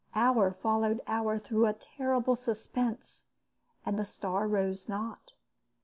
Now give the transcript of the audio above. Hour followed hour through a terrible suspense, and the star rose not.